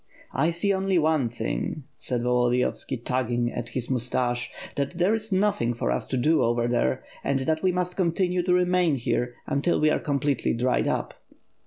' "I see only one thing," said Volodiyovski, tugging at his 522 W1TB FIRE AND SWORD, mou. tarhe, "that there is nothing for us to do otct ther^ anfl that we mu?ft continue to remain here until we are com pletely dried up."